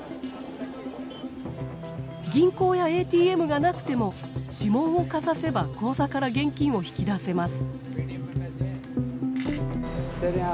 銀行やＡＴＭがなくても指紋をかざせば口座から現金を引き出せます。